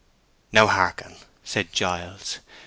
"Now hearken," said Giles.